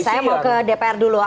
saya mau ke dpr dulu